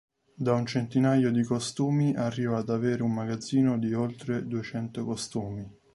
Da un centinaio di costumi, arriva ad avere un magazzino di oltre duecento costumi.